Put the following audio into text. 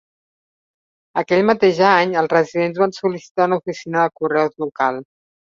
Aquell mateix any, els residents van sol·licitar una oficina de correus local.